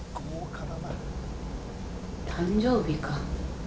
誕生日か。